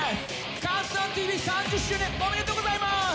「ＣＤＴＶ」３０周年おめでとうございます！